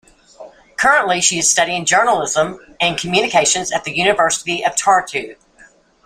Currently she is studying journalism and communications at the University of Tartu.